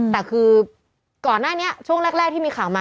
แต่คือก่อนหน้านี้ช่วงแรกที่มีข่าวมา